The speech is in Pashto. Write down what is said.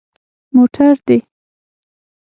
_موټر دي؟